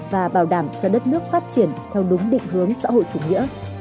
và bảo đảm cho đất nước phát triển theo đúng định hướng xã hội chủ nghĩa